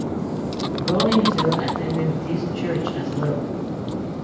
Goh himself attended this church as well.